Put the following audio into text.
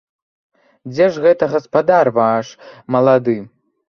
Дзе ж гэта гаспадар ваш малады?